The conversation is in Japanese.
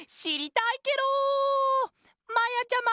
まやちゃま！